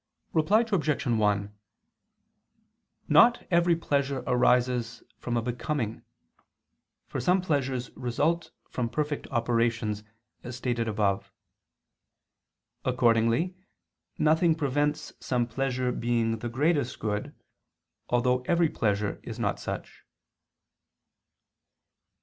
Reply Obj. 1: Not every pleasure arises from a "becoming"; for some pleasures result from perfect operations, as stated above. Accordingly nothing prevents some pleasure being the greatest good, although every pleasure is not such.